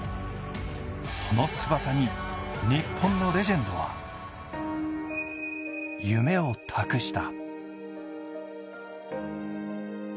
その翼に日本のレジェンドは夢を託した。